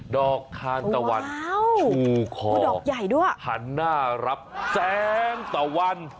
ดอกคานตะวันชูคอหันหน้ารับแสงตะวัน